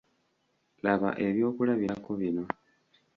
Laba ebyokulabirako bino.